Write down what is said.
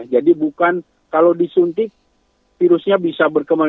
jadi bukan kalau disuntik virusnya bisa berkembang